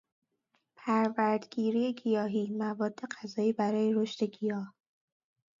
پرود گیری گیاهی، مواد غذایی برای رشد گیاه